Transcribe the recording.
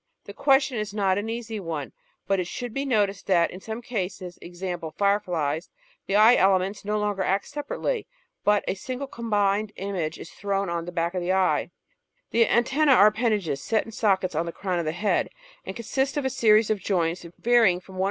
The question is not an easy one, but it should be noticed that, in some cases, e.g., fireflies, the eye elements no longer act separately, but a single combined image is thrown on the back of the eye. (See figures facing pages 807 808.) The antennce are appendages set in sockets on the crown of the head, and consist of a series of joints, varying from one